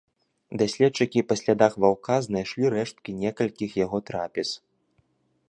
Даследчыкі па слядах ваўка знайшлі рэшткі некалькіх яго трапез.